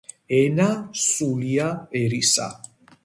ენა, სულია ერისა